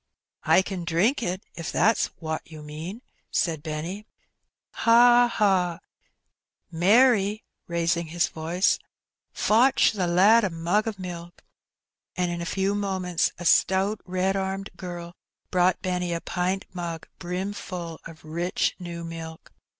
'' I ken drink it, if that's wot you mean," said Benny. " Ha ! ha ! Mary," raising his voice, ^^ fotch the lad a mug o' milk." And in a few moments a stout red armed girl brought Benny a pint mug, brimful of rich new milk.